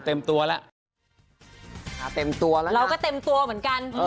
เต็มตัวแล้วนะครับเราก็เต็มตัวเหมือนกัน